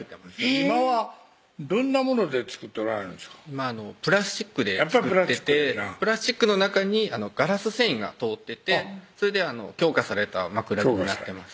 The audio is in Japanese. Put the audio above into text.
今プラスチックで作っててプラスチックの中にガラス繊維が通っててそれで強化された枕木になってます